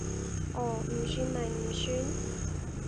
哦，唔算咪唔算